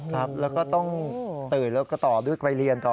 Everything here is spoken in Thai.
ครับแล้วก็ต้องตื่นแล้วก็ต่อด้วยไปเรียนต่อ